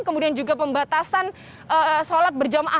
kemudian juga pembatasan sholat berjamaah